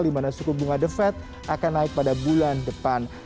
di mana suku bunga the fed akan naik pada bulan depan